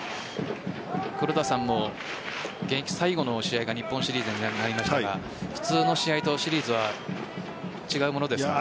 黒田さんも現役最後の試合が日本シリーズになりましたが普通の試合とシリーズは違うものですか？